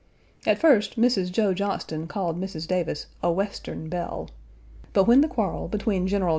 At first, Mrs. Joe Johnston called Mrs. Davis "a Western belle,"1 but when the quarrel between General 1.